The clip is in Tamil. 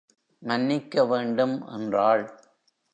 மன்னிக்க வேண்டும் என்றாள்.